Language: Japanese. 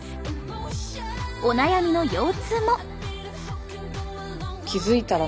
お悩みの腰痛も。